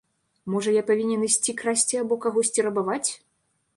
Можа, я павінен ісці красці або кагосьці рабаваць?